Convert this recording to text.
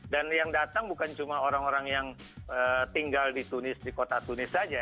yang datang bukan cuma orang orang yang tinggal di tunis di kota tunis saja